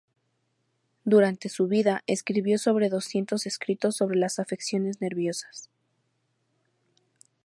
Durante su vida escribió sobre doscientos escritos sobre las afecciones nerviosas.